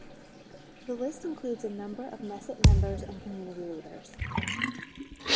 The list includes a number of Knesset members and community leaders.